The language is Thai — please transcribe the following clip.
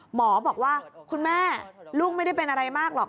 หมอบอกว่าคุณแม่ลูกไม่ได้เป็นอะไรมากหรอก